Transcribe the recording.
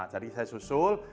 jadi saya susul